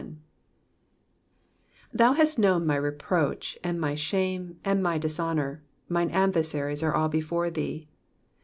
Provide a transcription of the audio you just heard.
19 Thou hast known my reproach, and my shame, and my dishonor : mine adversaries are ail before thee.